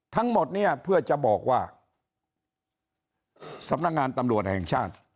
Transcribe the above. ทั้งหมดเนี่ยเพื่อจะบอกว่าสำนักงานตำรวจแห่งชาติ